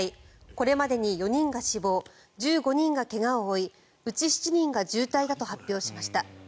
これまでに４人が死亡１５人が怪我を負いうち７人が重体だと発表しました。